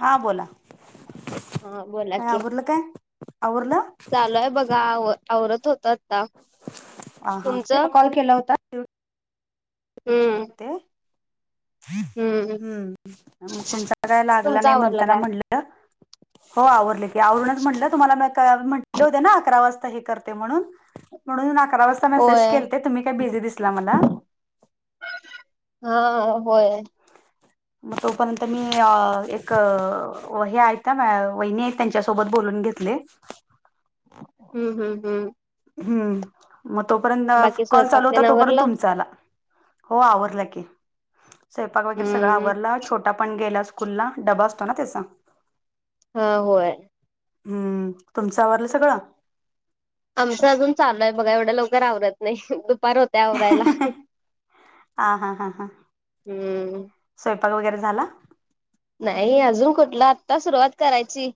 हा बोला, हा बोला काय की आवरलं काय? आवरलं? गाव आवरत होतात ह हा तेला कॉल केला होता हम्म [inaudible] ते ह हम्म मग तुमचं काय लागला तुमचं नाही आवरलं म्हणताना काय? म्हनल अ हो आवरले की आवरूनच म्हटलं तुम्हाला मे तर म्हटल होत ना अकरावाजता हे करते म्हणून म्हणून अकरावा वाजता तर मेसेज होय. केलते तुम्ही काय बिझी दिसला मला ह होय मग तोपर्यंत मी एक हे आहे ना वहिनी त्यांच्यासोबत बोलून घेत ले हम्म हम्म हम् हम्म मग तोपर्यंत बाकी कॉल स्वयंपाक चालू होता तेन तोपर्यंत आवरलं? तुमचा आला हो आवरल की स्वयपाक वगैरे सगळ हम्म आवरला छोटा पण गेला स्कूल स्कूला डबा असतोना त्याचा हा होय हम्म तुमचं आवरलं सगळं आमचं अजून चालू आहे बघा एवढं लोक रावरत नाही दुपार हो ह हा हा हा हम्म स्वयंपाक वगैरे झाला नाही अजून कुठला आत्ता सुरुवात करायची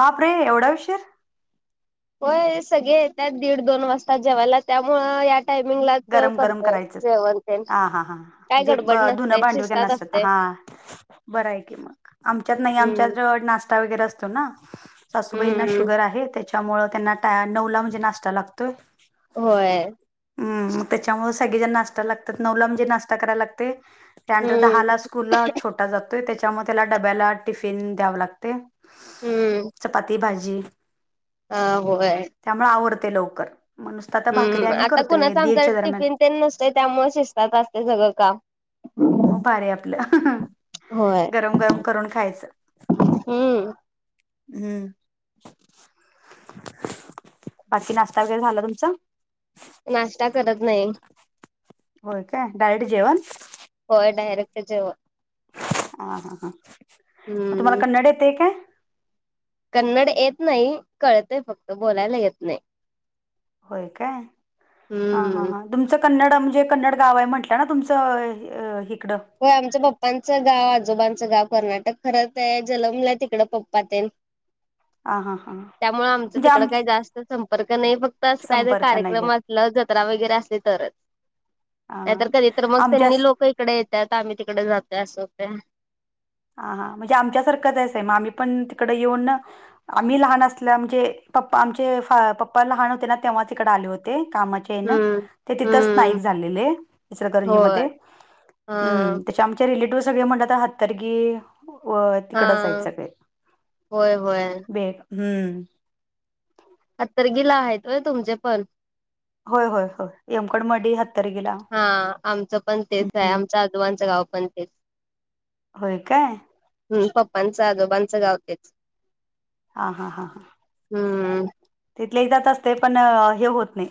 बाप रे एवढा ऊशीर होय सगळे येतात दीड दोन वाजता जेवायला त्यामुळ एक टायमिंग लाच गरम गरम करतोय करायचं जेवण ते हा हा हां काय म्हणजे गडबड नसते शिस्तात असते बर आहे की मग आमच्यात नाही आमच्यात हम्म जवळ नाश त्या वगैरे असतो ना असताना सासूबाईंना हम्म शुगर आहे तेच त्यामुळे त्यांना टा नऊला म्हणजे नाश्ता लागतोय. होय हम् मग त्याच्यामुळे सगळेजण नाश्ता लागतात नऊला म्हणजे नाश्ता करायला लागते् त्यानंतर दहा हम्म ला स्कूल ला छोटा जातोय त्याच्यामुळे त्याला डब्याला टिफिन द्यावं लागते चपाती भाजी अ होय त्यामुळे आवडते लवकर म नुसत भाकरी हम्म आम्ही आता करतोय कुणाच आमच दीडच्या दरम्यान टिफिन ते नसते त्यामुळे शिसतात असते सगळं काम मग भारी आपलं होय गरम गरम करून खायचं हम्म हम्म बाकी नाश्ता वगैरे झाला तुमचा नाश्ता करत नाही. होय काय डायट जेवण होय डारेक्ट जेव हा हा हा मग तुम्हाला हम्म कन्नड येते काय कन्नड येत नाही कळतय फक्त बोलायला येत नाही होय काय ह ह हम्म ह तुमचं कन्नड म्हणजे कन्नड गाव आहे म्हंटलं ना तुमचं हिकडं हो आमचं पप्पांचं गाव आजोबांचं गाव कर्नाटक खरंच आहे जनमलाय तिकड पप्प ते आ हां त्यामुळे आमचं म्हणजे तिकड आम काही जास्त संपर्क नाही फक्त अस काय संपर्क नाही आहेत कार्यक्रम ल जत्रा वगैरे असली तरच हा नाहीतर कधी तर मग आमच्या त्यांनी लोक. तिकडे येतात आम्ही तिकडे जातय असं होतं. हा हा, म्हणजे आमच्या सारखंचस आहे मग आम्ही पण तिकडं येऊन ना. आम्ही लहान असल्या म्हणजे पप्पा आमचे पप्पा लहान होते. ना तेव्हाच इकडे आले होते कामाचे. चेन हम्म ते तिथंच स्थायिक हम्म झालेले इचलकरंजी होय मध्ये. हा हम्म, त्याच्या आमचे रिलेटिव्ह सगळे म्हणतात हत्तरगी. होय तिकडच हाईत हा सगळे होय होय बेग हम्म. हतर गिला आहेतोय तुमचे पण होय होय होय, येमकड मडी हत्तर गिला. हा आमचं पण तेच आहे आमच्या आजोबांचं गाव पण तेच. होय काय. हम, पप्पांचं आजोबांचं गावतेच. हा हा हा हा, हम्म, इथल्या इथंच असतं पण हे होत नाही.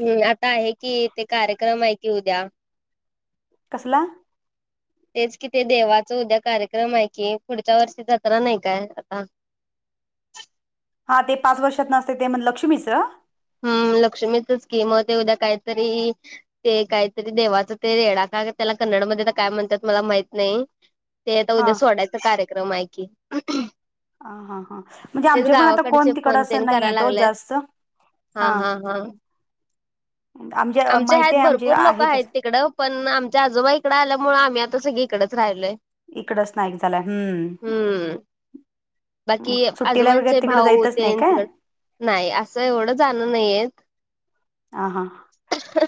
हम्म, आता आहे कि, ते कार्यक्रम आहे की, उद्या. कसला. तेच कि ते देवाच उद्या कार्यक्रम आहे की पुढच्या वर्षी जत्रा नाही काय आता. हा ते पाच वर्षात न असते ते म्हण लक्ष्मीचं. हम्म, लक्ष्मीच म ते उद्या काहीतरी. ते काहीतरी देवाचा ते रेडा का त्याला कन्नड मध्ये तर काय म्हणतात मला माहित नाही. ते आता उद्या हां सोडायचा कार्यक्रम आहे. की, हा हा हा, म्हणजे तेच आमचे पण आता कोण गावाकडचे तिकड फोन असं तेन नाही कराय आहेेतो लागलेत. जास्त. हा हां हा हा, आमच्या माहिती ह्यात आहे आमचे भरपूर लोक आहेत तिकडं. पण आमच्या आजोबाईकडं आल्यामुळे आम्ही आता सगळी इकडेच राहिलोय. इकडच नाक झालंय हम्म, बाकी आजोबांचे भाऊ जायतच नाही तेन काय तिकड. नाही असं एवढं जाण नाहीेत. हा हा,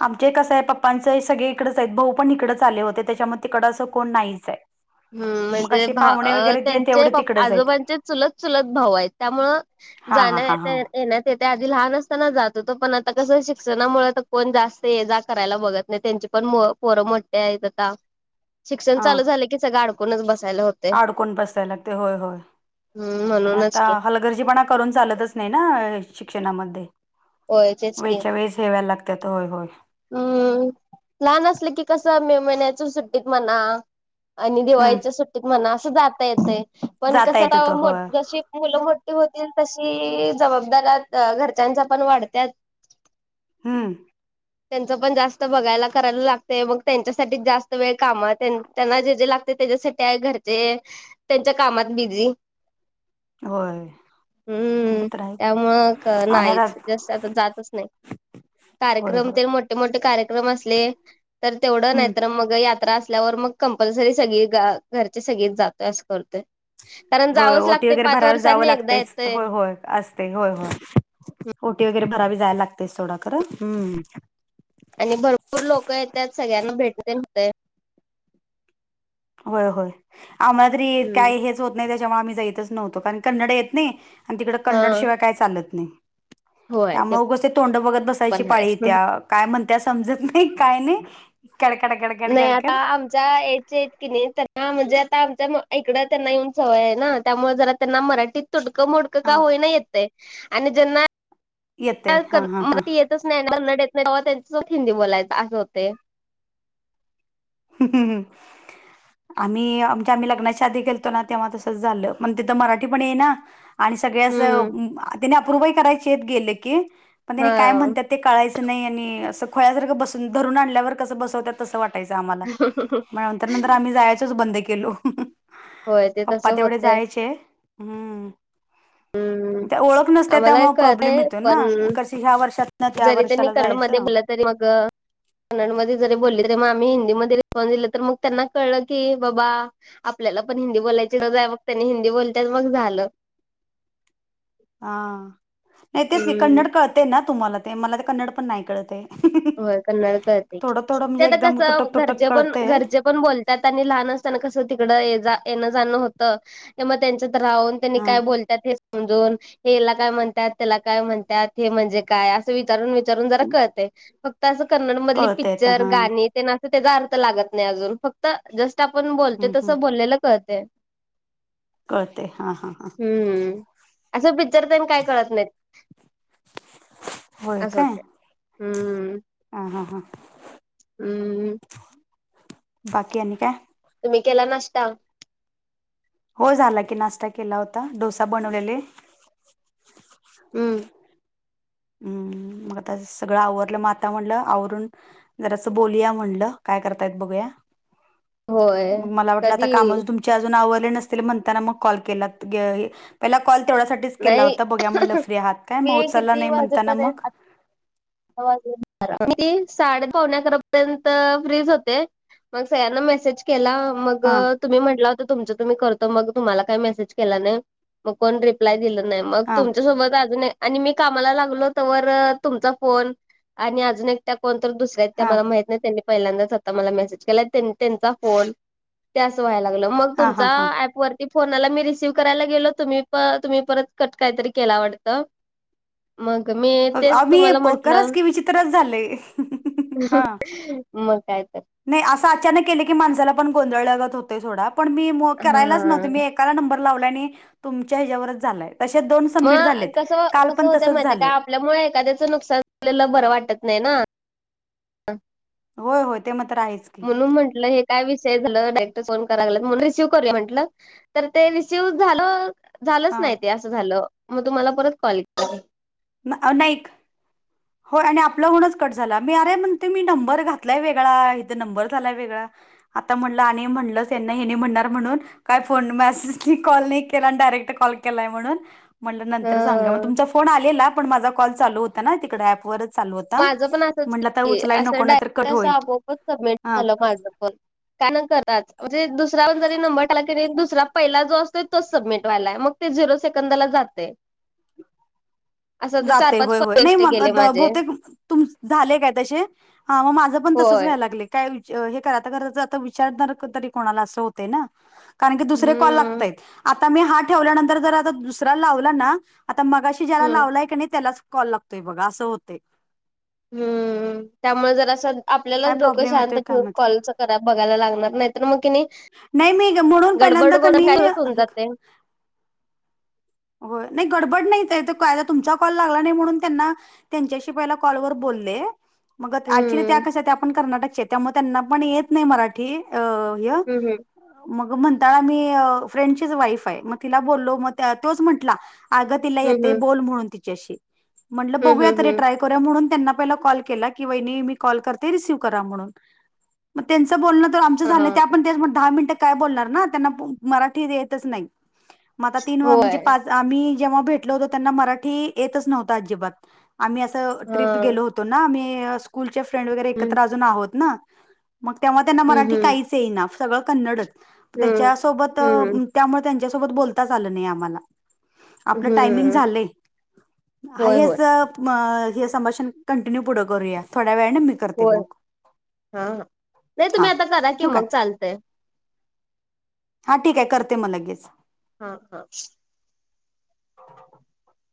आमचे कसं आहे प ''--'' प्पांच हे सगळे इकडच आहेत भाऊ पण इकडच आले होते. त्याच्या मुळा तिकडं असं कोण नाहीच आहे. हम्म, मग म्हणजे असे पाहुणे भा वगैरे जे त्यांचे तेवढे प तिकडंच आहेत आजोबांचे चुलत चुलत भाऊ आहेत त्यामुळे. हां जाण हां ण हां हां येन्यात. कधी आधी लहान असताना जात होत. पण आता कस शिक्षणामुळे कोण जास्त जा करायला बघत नाही त्यांची. पण म पोरं मोठे आहेत आता शिक्षण चालू झालं की सगळं अडकूनच बसायला होत. आडकुण बसाय लागते होय होय हम्म आणि म्हणूनच आता की हलगर्जी पणा करुन चालतच नाही ना शिक्षणामध्ये होय तेच की वेळच्या वेळेस ठेवाय लागते. त्यात होय होय, हम्म, लहान असलं की, कसं मे महिन्याच्या सुट्टीत म्हणा. आणि हम्म दिवाळीच्या सुट्टीत म्हणा असं जाता येतय पण जाता कस येत आता होत होय मोठी जशी. मुलं मोठी होतील तशी जबाबदार्या घरच्यांच्या पण वाढत्यात. हम्म, त्यांच पण जास्त बघायला करायला लागतय मग त्यांच्यासाठी जास्त. वेळ काम त्यांना जे जे लागते त्याच्यासाठी आहे. घरचे त्यांच्या कामात बिझी. होय, ते हम्म तर आहे त्यामुळं आणि आता नाहीच, जास्त आता जातच नाही. [inaudible] कोणते मोठे मोठे कार्यक्रम असले तर तेवढ नाही हम्म तर मग यात्रा अस- ल्यावर मग कंपलसरी सगळी गा घरचे सगळीच जातोय असं करतोय. कारण होय जावंच ओटी लागते वगैरे पाच भराय जावं वर्षांनी एकदा लागतच. येतंय. होय होय असं होय हो ओटी वगैरे भरावी जायला लागते सोडा खरं, हम्म आणि भरपूर लोक येत्यात सगळ्यांना भेटणं [inaudible] होत. होय होय आम्हाला तरी हम्म काही हेच होत नाही त्याच्यामुळे आम्ही जायतच नव्हतो कारण कन्नड येत नाही. आणि तिकडं हा कन्नड शिवाय काय चालत नाही. त्यामुळे उगाच ते तोंड बघत बसायची पण हाय. पाळी येत्या. काय म्हणत्या समजत नाही, काय नाही. कडकड कड नाही आता आमच्या एज चे कि नाही त्यां म्हणजे आता आमच्या इकडं त्यांना येऊन सवय आहे ना त्यामुळे जरा त्यांना मराठीत तुडकं मोड- क का हा होईना येतय आणि ज्यांना येतय हा हा हा मराठी येतच नाही, कन्नड येत नाही तेव्हा त्यांच्यासोबत हिंदी बोलायचं असं होतेय. हम् हम् हम् आम्ही आमच्या आम्ही लग्नाच्या आधी गेलतो ना तेव्हा तसंच झालं, मला तिथं मराठी पण येईना. आणि सगळ्या अस, हम्म त्यानी अप्रुव्हही करायचे येत गेले की पण त्यानी काय हा म्हणतात ते कळायचं नाही आणि असं खुळ्यासारख बसून धरून आणल्यावर कसं बसवतात तसं वाटयचं. आम्हाला नंतर नंतर आम्ही जायचच बंद केलो. होय ते पप्पा तसं तेवढे होतंय. जायचे. हम्म हम्म त्या ओळख नसत्या आम्हाला त्यामुळे प्रॉब्लेम कळतंय येतो पण ना, कशी ह्या वर्षात ना त्या जरी त्यांनी वर्षाला कन्नडमध्ये जायचं बोलला तरी मग कन्नड मध्ये जरी बोलले तरी मग आम्ही हिंदीमध्ये रिस्पॉन्स दिले तर मग त्यांना कळलं की बाबा आपल्याला पण हिंदी बोलायची गरज आहे मग त्यांनी हिंदी बोलत्याल मग झालं. हा नाही तेच की हम्म कन्नड कळते ना तुम्हाला ते, मला तर कन्नड पण नाही कळतहे. होय कन्नड कळते. ते म्हणजे आता एकदम कस तुटक तुटक घरचे पण कळते घरचे पण बोलतात आणि लहान असताना कस तिकड जा येणं जाणं होत त्यामुळे त्यांच्यात राहून त्यांनी हा काय बोलतात हे समजून हे याला काय म्हणतात, त्याला काय म्हणतात, हे म्हणजे काय असं विचारून विचारून जरा कळतय. फक्त असं कन्नड मधली कळते तर पिक्चर, हा गाणी ते ना त्याचा अर्थ लागत नाही अजून, फक्त जस आपण बोलतो हम्म, हम्म. तसं बोललेलं कळतय. कळतय हा हा हा. हम्म असं पिक्चर तेन काय कळत नाही. अस होते हम्म. ह हा हा, हम्म बाकी आणि काय? तुम्ही केला नष्टता? हो झाला की नाश्ता केला होता डोसा बनवलेले. हम्म हम्म मग आता सगळं आवरलं मग आता म्हणलं सगळं आवरून जरा असं बोलिया म्हणलं काय करतायत बघूया. होय मग मला वाटल आता कधी काम तुमचे अजून आवरले नसतील म्हणताना म कॉल केला पहिला कॉल तेवढ्यासाठीच केला नाही होता बघुया म्हणलं फ्री आहात काय, मी म उचलला किती नाही म्हणताना मग वाजेपर्यंत मी साडे पावणे अकरापर्यंत फ्रीच होते. मग सगळ्यांना मेसेज केला, मग हां तुम्ही म्हट होत तुमच तुम् करत, मग तुम्हाला काही मेसेज केला नाही मग कोण रिप्लाय दिलं नाही. मग हां तुमच्यासोबत अजून आणि मी कामाला लागलो तर तुमचा कोण आणि अजून एकट्या कोण तर दुसऱ्यात त्या हां मला माहित पल्या म त्यां फोन व्हा लाग हां तुमचा हां हां ऍप वर. ती फोनाला मी रिसीव्ह करायला गेलो तुम्ही प तुम्ही परत कट काहीतरी केला वाटतं! मग मी तेच तुम्हाला म्हण करच की विचित्रच झालेय हा. मग काय तर! नाही असं अचानक केलं की माणसाला पण गोंधळ लागत होतेय. थोडा पण मी करायलाच नव्हते हां. मी. काला नंबर लावला आणि तुमच्या ह्याच्यावरच झालाय. तसेच दोन मग सबमिट झालेत कस काल कसं पण होतं तसंच माहिितय काय झालं आपल्यामुळे एखाद्याचं नुकसान झालेलं बरं वाटत नाही ना? होय होय ते मात्र आहेच की म्हणून म्हंटलं हे. काय विषय झालं डायरेक्टर फोन करायला म्हणून रिसीव करू म्हटलं तर ते रिसीव्ह झालं. झालंच हां नाही ते असं झालं मग तुम्हाला परत कॉल के अहो नाईक! हो आणि आपलं गणच कट झाला मी अरे म्हणते मी नंबर घातलाय वेगळा इथे नंबर झालाय वेगळा. आता म्हणलं आणि म्हणलं त्यांना हेनी म्हणणार म्हणून. काय फोन मेसेज क कॉल नाही केला आणि डायरेक्ट कॉल केलाय म्हणून. म्हण नंतर सांगा मग हं. तुमचा फोन आलेला पण माझा कॉल चालू होता ना तिकडे ऍप ववरच. माझं पण असंच क असं नाही तर डायरी कट असं होईल आपोआपच सबमिट हा झालं माझ पण. काय न करराच म्हणजे दुसराण जरी नंबर टाला की दुसरा पहिला जो असतोय तोच सबमिट व्हायलाय मग, ते झिरो सेकंदला जाते. जाते होय होय नाही मग गेले माझे. बहुतेक. तुमच झाले काय तसे मग माझं पण तसच होय. व्याय लागले. काय हे करा कराच आता विचार तरी कोणाला असं होत ना. कारण की दुसरे कॉल हम्म लागतय. आता मी हा ठेवल्यानंतर जर आता दुसरा लावला ना. आता मगाशी ज्याला हम्म लावलाय की नाही त्यालाच कॉल लागतोय बघा असं होते. हम्म त्यामुळे जर असं काय आपल्यालाच डोकं प्रॉब्लेम शांत येतोय काय ठेवून माहित कॉलच रा बघायला लागणार नाही तर मग कि, नाही नाही मी म्हणून पहिल्यांदा गडबड गोड कनी खायलाच होऊन जाते. हो नाही गडबड नाही कायदा तुमचा कॉल लागला नाही म्हणून त्यांना त्यांच्याशी पहिला कॉलवरर बोलले. मग क्च्युली त्या हम्म कस आपण कर्नाटकच्या त्यामुळे त्यांना पण येत नाही मराठी. अ य! हम्म मग म्हणताळा मी फ्रेंडचीच वाईफ आहे मग तिला बोललो मग तोच म्हंटला. अगं तिला हम्म येते हम्म बोल म्हणून तिच्याशी म्हंटलं हम्म बघूया हम्म तरी हम्म ट्राय. त्यांना मी कॉल करते रिसव्ह करा म्हणून. मग त्यांचं बोलणं तर आमच झालंय हा आपण दहा मिनिट. काय बोलणार ना त्यांना मराठी येतच नाही. होय पाच आम्ही जेव्हा भेटल होतो त्यांना मराठी येतच नव्हतं अजिबात. आम्ही असं हा ट्रिप गेलो होतो ना आम्ही स्कूलचे फ्रेंड वगैरे हम्म एकत्र अजून आहोत ना. मग तेव्हा त्यांना हम्म मराठी काहीच येई ना सगळं कन्नडच हम्म त्याच्यासोबत. हम्म त्यामुळे त्यांच्यासोबत बोलताच आलं नाही आम्हाला. हम्म आपलं टायमिंग हम्म झालंय, होय आहे होय असं म हे संभाषण कंटिन्यू पुढे करूया थोड्या वेळाने करते होय मग. हा हा नाही हा तुम्ही आता करा की ठेवू काय? मग चालतय हा ठीक आहे करते मग लगेच. हा हा. [unintelligible]